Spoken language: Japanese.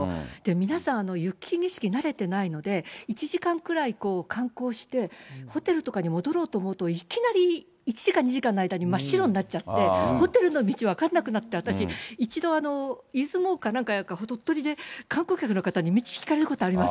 皆さん、雪景色慣れてないので、１時間くらい観光して、ホテルとかに戻ろうと思うと、いきなり１時間、２時間の間に真っ白になっちゃって、ホテルの道分かんなくなって、私、一度、出雲かなんか、鳥取で、観光客の方に道を聞かれたことあります。